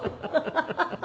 ハハハハ！